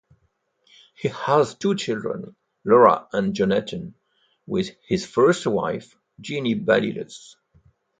He has two children, Laura and Jonathan, with his first wife, Jeannie Baliles.